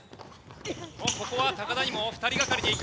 おっここは田にも２人がかりでいく。